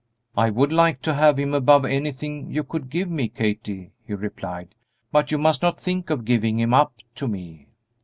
"I would like to have him above anything you could give me, Kathie," he replied; "but you must not think of giving him up to me."